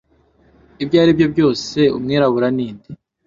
Ibyo aribyo byose umwirabura ninde